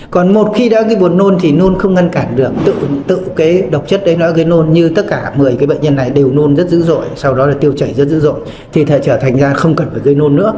còn một khi đã cái buồn nôn thì nôn không ngăn cản được tự cái độc chất đấy nói cái nôn như tất cả một mươi cái bệnh nhân này đều nôn rất dữ dội sau đó là tiêu chảy rất dữ dội thì đã trở thành da không cần phải gây nôn nữa